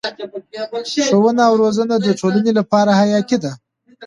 ښوونه او روزنه د ټولنې لپاره حیاتي ده.